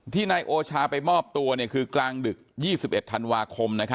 นายโอชาไปมอบตัวคือกลางดึก๒๑ธันวาคม